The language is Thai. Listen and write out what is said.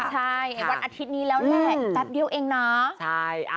ใช่วันอาทิตย์นี้แล้วแหละแป๊บเดียวเองนะ